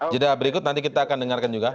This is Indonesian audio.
jeda berikut nanti kita akan dengarkan juga